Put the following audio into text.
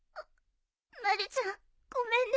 まるちゃんごめんね。